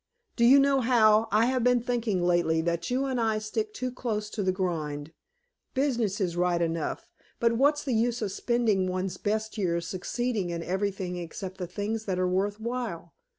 Do you know, Hal, I have been thinking lately that you and I stick too close to the grind. Business is right enough, but what's the use of spending one's best years succeeding in everything except the things that are worth while?